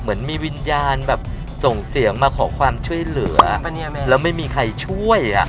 เหมือนมีวิญญาณแบบส่งเสียงมาขอความช่วยเหลือแล้วไม่มีใครช่วยอ่ะ